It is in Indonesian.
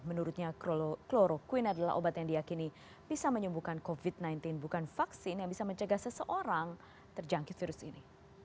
menurutnya kloroquine adalah obat yang diakini bisa menyembuhkan covid sembilan belas bukan vaksin yang bisa mencegah seseorang terjangkit virus ini